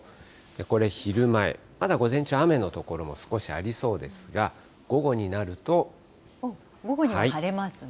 これ昼前、まだ午前中は雨の所も少しありそうですが、午後になる午後には晴れますね。